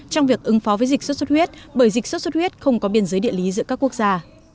trong việc ứng phó với dịch sốt xuất huyết bởi dịch sốt xuất huyết không có biên giới địa lý giữa các quốc gia